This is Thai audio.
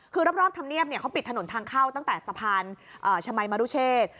คือรอบธรรมเนียบเขาปิดถนนทางเข้าตั้งแต่สะพานชมัยมรุเชษ